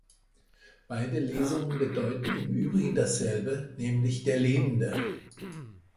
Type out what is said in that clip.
Beide Lesungen bedeuten im übrigen dasselbe, nämlich "der Lebende".